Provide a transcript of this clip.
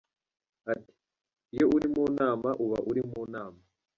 Ati “ Iyo uri mu nama uba uri mu nama.